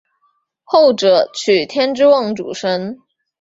后者娶天之瓮主神。